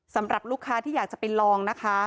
สำหรับลูกค้าที่อยากจะไปลองนะคะ